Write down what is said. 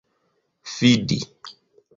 fidi